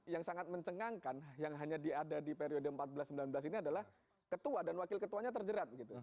yang sangat mencengangkan yang hanya diada di periode empat belas sembilan belas ini adalah ketua dan wakil ketuanya terjerat